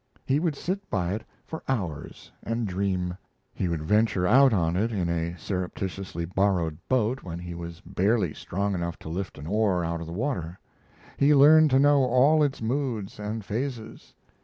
He would sit by it for hours and dream. He would venture out on it in a surreptitiously borrowed boat when he was barely strong enough to lift an oar out of the water. He learned to know all its moods and phases.